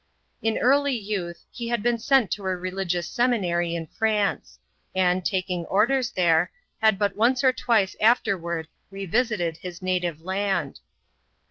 In early youth, he had been sent to a religious seminary in France ; and, taking orders there^ had but once or twice afterward revisited his native land.